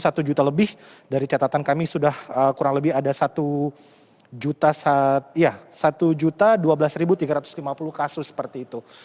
satu juta lebih dari catatan kami sudah kurang lebih ada satu dua belas tiga ratus lima puluh kasus seperti itu